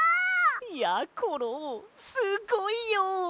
やころすごいよ！